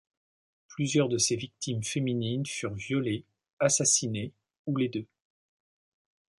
Plusieurs de ses victimes féminines furent violées, assassinées, ou les deux.